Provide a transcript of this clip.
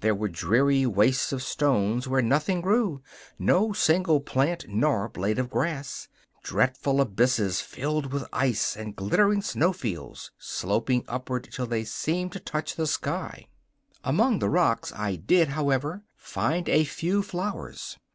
There were dreary wastes of stones where nothing grew no single plant nor blade of grass dreadful abysses filled with ice, and glittering snowfields sloping upward till they seemed to touch the sky. Among the rocks I did, however, find a few flowers.